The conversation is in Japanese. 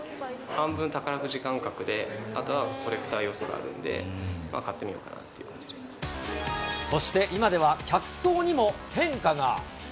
半分、宝くじ感覚で、あとはコレクター要素があるんで、そして今では客層にも変化が。